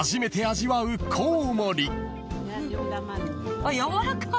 あっやわらかい。